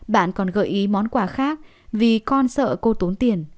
bạn còn gợi ý món quà khác vì con sợ cô tốn tiền